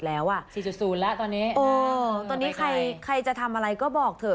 ๔๐แล้วตอนนี้ตอนนี้ใครจะทำอะไรก็บอกเถอะ